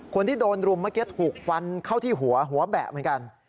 คนที่โดนรุมเมื่อกี้ถูกฟันเข้าที่หัวหัวแบะเหมือนกัน